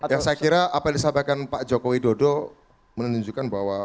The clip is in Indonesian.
ya saya kira apa yang disampaikan pak jokowi dodo menunjukkan bahwa